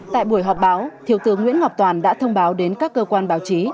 tại buổi họp báo thiếu tướng nguyễn ngọc toàn đã thông báo đến các cơ quan báo chí